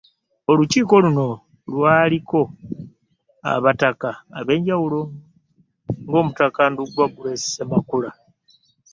Olukiiko luno lwaliko abataka ab'enjawulo ng'omutaka Ndugwa Grace Ssemakula.